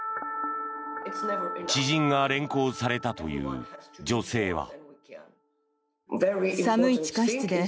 知人が連行されたという女性は。